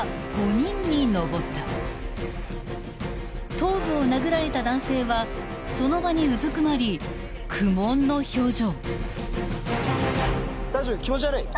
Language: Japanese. ［頭部を殴られた男性はその場にうずくまり苦悶の表情］